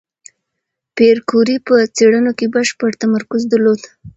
پېیر کوري په څېړنو کې بشپړ تمرکز درلود.